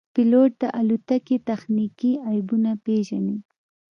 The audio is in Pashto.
پیلوټ د الوتکې تخنیکي عیبونه پېژني.